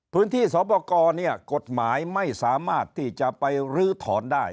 พื้นที่สวปกรเนี่ยกฎหมายไม่สามารถที่จะไปรื้อถอนได้